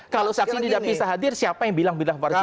kalau saksi tidak bisa hadir siapa yang bilang bilang